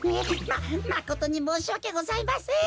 ままことにもうしわけございません。